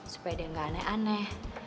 supaya dia nggak aneh aneh